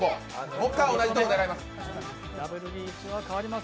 もう一回同じところ狙います。